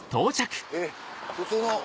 えっ普通の。